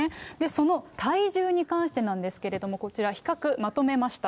その体重に関してなんですけれども、こちら、比較、まとめました。